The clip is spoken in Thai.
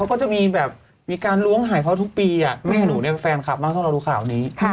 แล้วก็จะมีแบบมีการล้วงหายพ่อทุกปีแม่หนูเนี่ยแฟนคลับมากต้องรู้ข่าวนี้